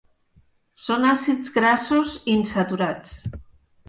Són àcids grassos insaturats.